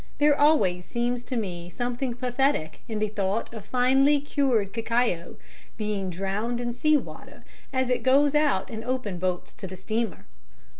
There always seems to me something pathetic in the thought of finely cured cacao being drowned in sea water as it goes out in open boats to the steamer.